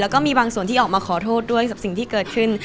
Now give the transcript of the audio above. แล้วก็มีบางส่วนที่ออกมาขอโทษด้วยกับสิ่งที่เกิดขึ้น